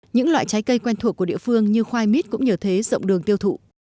những loại trái cây quen thuộc của địa phương như khoai mít cũng nhờ thế rộng đường tiêu thụ